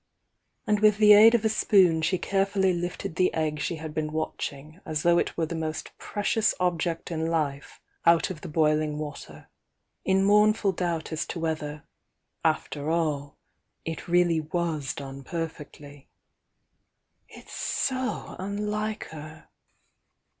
And with the aid of a spoon she carefully lifted the egg she had been watching as though it were the most pre cious object in life out of the boiling water, in mournful doubt as to whether, after all, it really was done perfectly. "It's so unlike her."